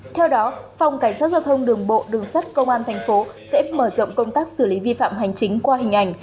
theo đó phòng cảnh sát giao thông đường bộ đường sắt công an thành phố sẽ mở rộng công tác xử lý vi phạm hành chính qua hình ảnh